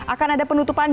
akan ada penutupan